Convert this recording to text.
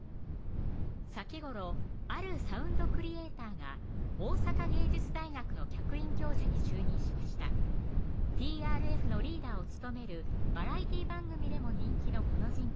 先頃あるサウンドクリエーターが大阪芸術大学の客員教授に就任しましたＴＲＦのリーダーを務めるバラエティー番組でも人気のこの人物は誰でしょう